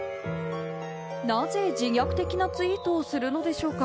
なぜ自虐的なツイートをするのでしょうか？